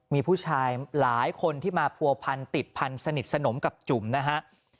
มีผู้ชายหลายคนที่มาผัวพันติดพันธสนิทสนมกับจุ๋มนะฮะ